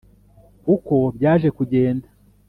Uko byaje kugenda